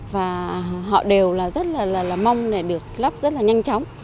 và họ đều là rất là mong để được lắp rất là nhanh chóng